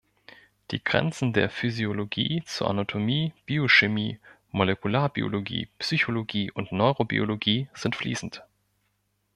Die Grenzen der Physiologie zu Anatomie, Biochemie, Molekularbiologie, Psychologie und Neurobiologie sind fließend.